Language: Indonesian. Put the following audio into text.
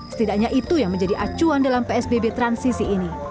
setidaknya itu yang menjadi acuan dalam psbb transisi ini